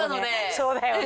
そうだよね。